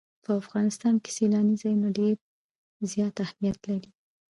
په افغانستان کې سیلاني ځایونه ډېر زیات اهمیت لري.